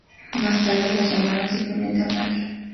Más tarde la llamaron simplemente Amalia.